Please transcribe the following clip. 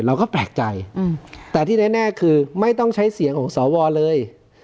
เราก็แปลกใจแต่ที่แน่คือไม่ต้องใช้เสียงของสวเลย